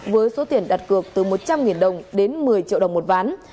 với số tiền đặt cược từ một trăm linh đồng đến một mươi triệu đồng một ván